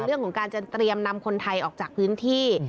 เรื่องของการจะเตรียมนำคนไทยออกจากพื้นที่